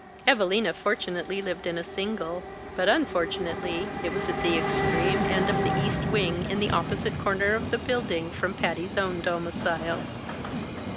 Evalina fortunately lived in a single, but unfortunately, it was at the extreme end of the East Wing in the opposite corner of the building from Patty's own domicile.